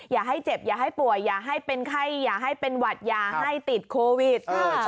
อย่าให้เจ็บอย่าให้ป่วยอย่าให้เป็นไข้อย่าให้เป็นหวัดอย่าให้ติดโควิด